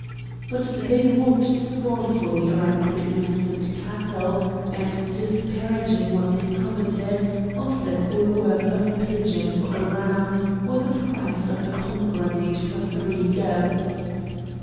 But they walked scornfully around the magnificent cattle, and disparaging what they coveted, offered the worth of a pigeon for a ram, or the price of a pomegranate for three goats.